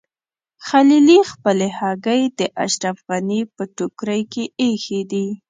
خلیلي خپلې هګۍ د اشرف غني په ټوکرۍ کې ایښي دي.